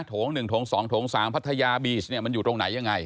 โถง๑โถง๒โถง๓พัทยาบิอยมันอยู่ตรงไหนอย่างไร